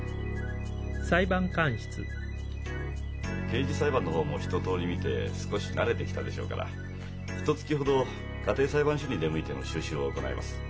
刑事裁判の方も一とおり見て少し慣れてきたでしょうからひとつきほど家庭裁判所に出向いての修習を行います。